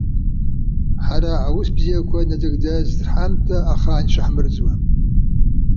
Ҳара аус бзиақәа назыгӡаз рҳамҭа ахаан ишаҳмырӡуа.